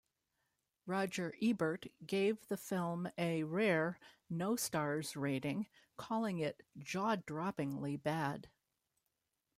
Roger Ebert gave the film a rare no-stars rating, calling it jaw-droppingly bad.